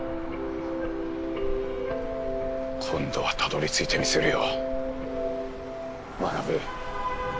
今度はたどり着いてみせるよマナブ。